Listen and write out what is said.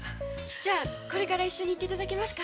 じゃこれから一緒に行って頂けますか。